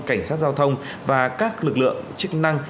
cảnh sát giao thông và các lực lượng chức năng